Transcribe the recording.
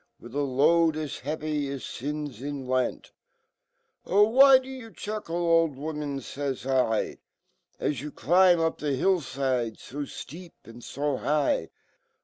With a load as heavy as fins in lent. 'Ohlwhy do you chuckle^old woman^faysl, As you climb up the hill fide fo fteep and fo high?